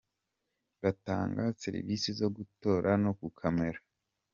Batanga Servise zo gutotora no gukamera.